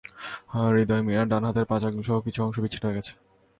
হৃদয় মিয়ার ডান হাতের পাঁচ আঙুলসহ কিছু অংশ বিচ্ছিন্ন হয়ে গেছে।